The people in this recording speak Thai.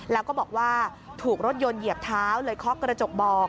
แล้วก็บอกว่าถูกรถยนต์เหยียบเท้าเลยเคาะกระจกบอก